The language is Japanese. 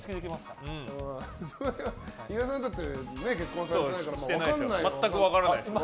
岩井さんだって結婚されてないから分からないでしょ。